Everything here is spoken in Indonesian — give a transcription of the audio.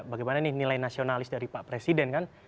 bagaimana nih nilai nasionalis dari pak presiden kan